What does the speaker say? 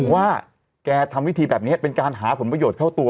ว่าแกทำวิธีแบบนี้เป็นการหาผลประโยชน์เข้าตัว